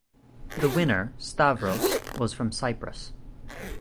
The winner, Stavros, was from Cyprus.